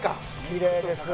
「きれいです」